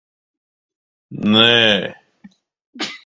Nē.